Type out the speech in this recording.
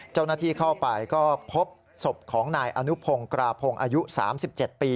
เจ้าหน้าที่เข้าไปก็พบศพของนายอนุพงศ์กราพงศ์อายุ๓๗ปี